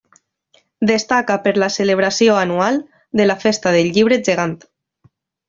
Destaca per la celebració anual de la Festa del llibre gegant.